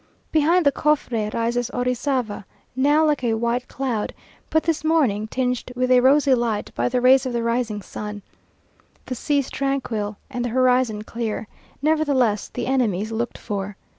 Behind the Cofre rises Orizava, now like a white cloud, but this morning tinged with a rosy light by the rays of the rising sun. The sea is tranquil and the horizon clear, nevertheless the enemy is looked for.